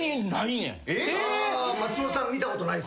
松本さん見たことない。